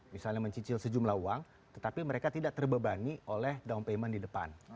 misalnya mencicil sejumlah uang tetapi mereka tidak terbebani oleh down payment di depan